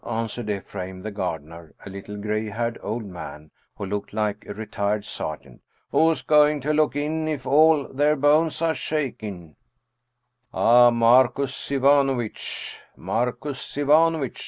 " answered Ephraim, the gardener, a little gray haired old man, who looked like a retired sergeant. "Who's going to look in, if all their bones are shaking?" " Ah, Marcus Ivanovitch, Marcus Ivanovitch